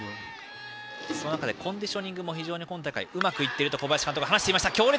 その中でコンディショニングもうまくいっていると小林監督は話していました。